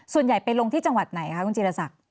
ส่วนใหญ่ไปลงที่จังหวัดไหนคะคุณจีรศักดิ์